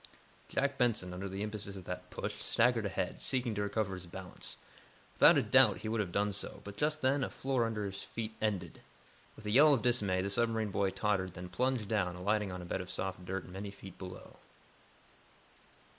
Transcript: Jack Benson, under the impetus of that push, staggered ahead, seeking to recover his balance. Without a doubt he would have done so, but, just then, the floor under his feet ended. With a yell of dismay, the submarine boy tottered, then plunged down, alighting on a bed of soft dirt many feet below.